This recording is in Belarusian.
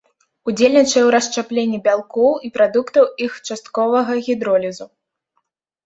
Удзельнічае ў расшчапленні бялкоў і прадуктаў іх частковага гідролізу.